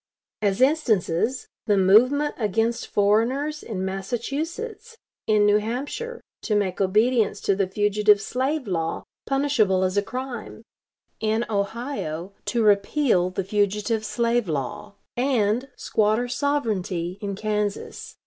As instances, the movement against foreigners in Massachusetts; in New Hampshire, to make obedience to the fugitive slave law punishable as a crime; in Ohio, to repeal the fugitive slave law; and, squatter sovereignty, in Kansas.